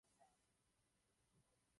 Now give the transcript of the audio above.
Křídlatá semena jsou šířena větrem.